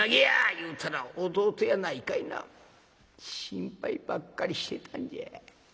いうたら弟やないかいな心配ばっかりしてたんじゃ。